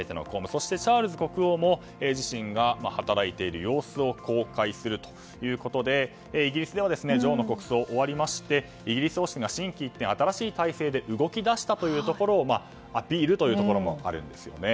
そしてチャールズ国王も自身が働いている様子を公開するということでイギリスでは女王の国葬が終わりましてイギリス王室が心機一転新しい体制で動き出したところをアピールというところもあるんですよね。